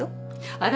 あら！